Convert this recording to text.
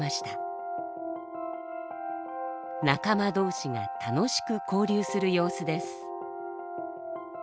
仲間同士が楽しく交流する様子です。